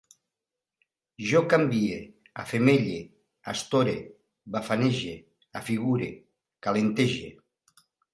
Jo canvie, afemelle, astore, bafanege, afigure, calentege